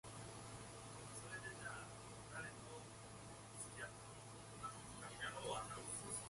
However, he too turned to Byzantium.